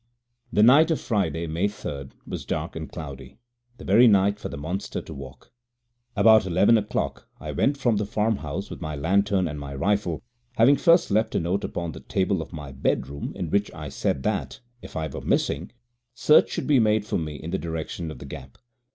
The night of Friday, May 3rd, was dark and cloudy the very night for the monster to walk. About eleven o'clock I went from the farm house with my lantern and my rifle, having first left a note upon the table of my bedroom in which I said that, if I were missing, search should be made for me in the direction of the Gap.